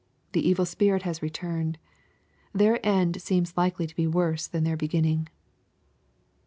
The evil spirit has returnedl" Their end seems Hkely to be worse than their beginning.